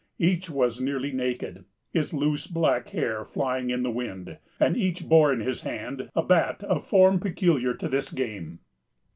Each was nearly naked, his loose black hair flying in the wind, and each bore in his hand a bat of a form peculiar to this game.